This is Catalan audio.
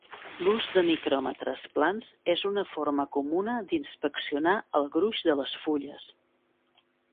L'ús de micròmetres plans és una forma comuna d'inspeccionar el gruix de les fulles.